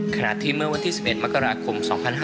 ขณะที่เมื่อวันที่๑๑มกราคม๒๕๕๙